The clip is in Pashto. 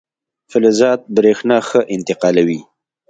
فلزات برېښنا ښه انتقالوي.